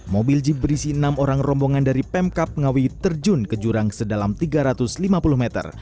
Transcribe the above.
mobil jeep berisi enam orang rombongan dari pemkap ngawi terjun ke jurang sedalam tiga ratus lima puluh meter